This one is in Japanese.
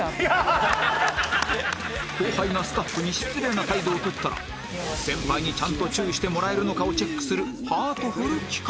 後輩がスタッフに失礼な態度をとったら先輩にちゃんと注意してもらえるのかをチェックするハートフル企画です